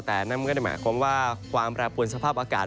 แต่นั่นก็ได้หมายความว่าความแปรปวนสภาพอากาศ